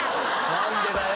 何でだよ！